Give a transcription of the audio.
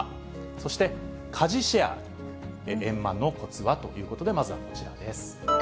そして、家事シェア、円満のこつは？ということで、まずはこちらです。